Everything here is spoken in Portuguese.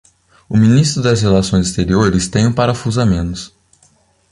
O Ministro das Relações Exteriores tem um parafuso a menos